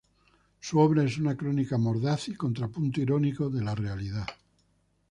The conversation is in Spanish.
Su obra es una crónica mordaz y contrapunto irónico de la realidad.